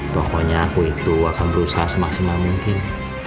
pokoknya aku itu akan berusaha semaksimal mungkin